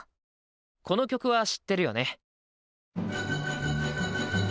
この曲は知ってるよね？